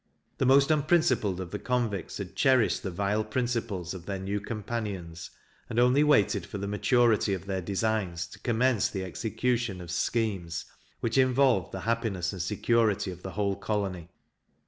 The most unprincipled of the convicts had cherished the vile principles of their new companions, and only waited for the maturity of their designs to commence the execution of schemes which involved the happiness and security of the whole colony.